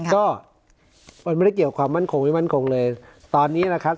ก็มันไม่ได้เกี่ยวความมั่นคงไม่มั่นคงเลยตอนนี้นะครับ